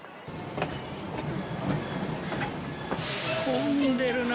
混んでるな。